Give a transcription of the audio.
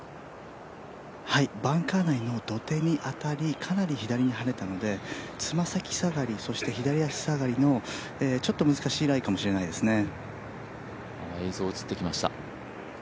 バンカー内の土手に当たり、かなり左にはねたので、つま先下がり、そして左足下がりのちょっと難しいライかもしれないですね。